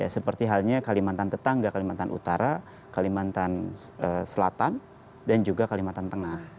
seperti halnya kalimantan tetangga kalimantan utara kalimantan selatan dan juga kalimantan tengah